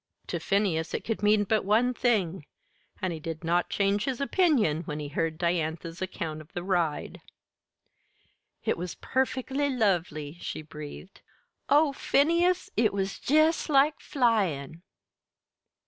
To Phineas it could mean but one thing; and he did not change his opinion when he heard Diantha's account of the ride. "It was perfectly lovely," she breathed. "Oh, Phineas, it was jest like flyin'!"